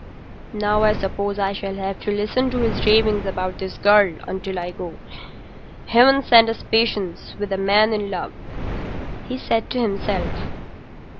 "Now I suppose I shall have to listen to his ravings about his girl until I go. Heaven send us patience with a man in love!" he said to himself.